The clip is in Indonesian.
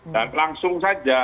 dan langsung saja